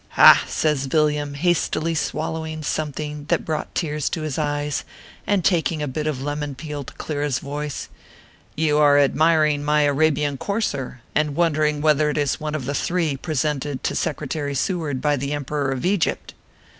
" Ha \" says Villiam, hastily swallowing something that brought tears to his eyes, and taking a bit of ORPHEUS C. KERR PAPERS. 291 lemon peel to clear his voice, " you are admiring my Arabian courser, and wondering whether it is one of the three presented to Secretary Seward by the Empe ror of Egypt."